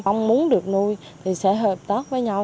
ông muốn được nuôi thì sẽ hợp tác với nhau